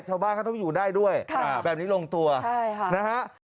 ชาวบ้านก็ต้องอยู่ได้ด้วยแบบนี้ลงตัวใช่ค่ะนะฮะ